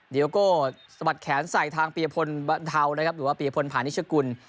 เดี๋ยวก็สบัดแขนใส่ทางเปรียพลเทาหรือว่าเปรียพลผ่านนิชกุล